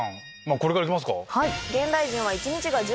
これからいきますか。